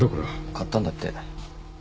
買ったんだって。